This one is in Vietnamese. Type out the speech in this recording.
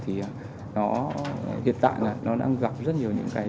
thì hiện tại nó đang gặp rất nhiều những